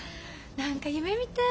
何か夢みたい。